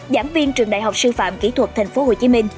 giảng viên trường đại học sư phạm kỹ thuật tp hcm